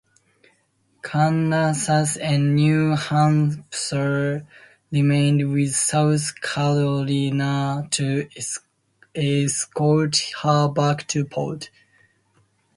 "Kansas" and "New Hampshire" remained with "South Carolina" to escort her back to port.